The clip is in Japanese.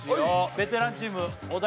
ベテランチームお題